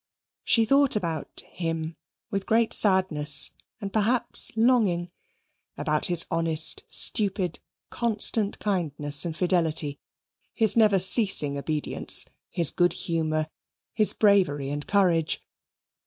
She thought about "him" with great sadness and perhaps longing about his honest, stupid, constant kindness and fidelity; his never ceasing obedience; his good humour; his bravery and courage.